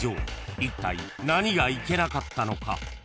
［いったい何がいけなかったのか？］